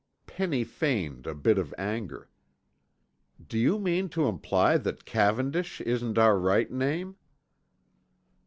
Penny feigned a bit of anger. "Do you mean to imply that Cavendish isn't our right name?"